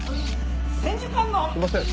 すいません